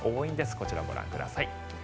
こちら、ご覧ください。